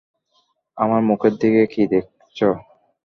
আমার মুখের দিকে কী দেখছ?